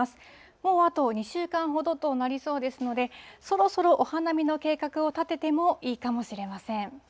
もうあと２週間ほどとなりそうですので、そろそろお花見の計画を立ててもいいかもしれません。